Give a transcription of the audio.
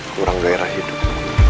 kurang gairah hidup